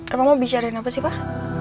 apa mau bicarain apa sih pak